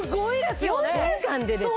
４週間でですか？